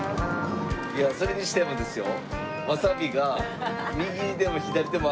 いやそれにしてもですよ。